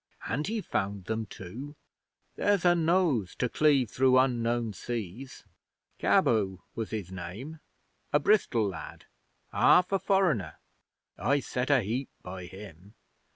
And he found them, too! There's a nose to cleave through unknown seas! Cabot was his name a Bristol lad half a foreigner. I set a heap by him.